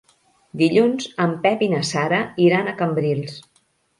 Dilluns en Pep i na Sara iran a Cambrils.